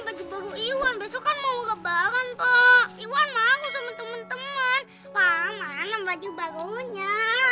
pak mana baju baru iwan besok kan mau ke barang pak iwan mau sama temen temen pak mana baju barunya